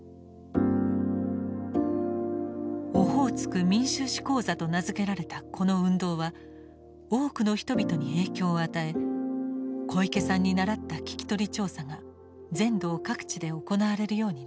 「オホーツク民衆史講座」と名付けられたこの運動は多くの人々に影響を与え小池さんに倣った聞き取り調査が全道各地で行われるようになった。